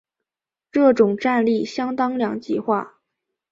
这种战力相当两极化。